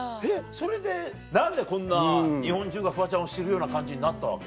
それで何でこんな日本中がフワちゃんを知るような感じになったわけ？